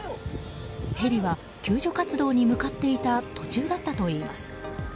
ヘリは救助活動に向かっていた途中だったといいます。